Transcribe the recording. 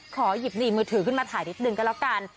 ขอหยิบหนีมือถือขึ้นมาถ่ายนิดนึงก็แล้วกัน